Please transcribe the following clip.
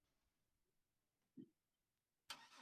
თავზე ახასიათებს „ნიღაბი“.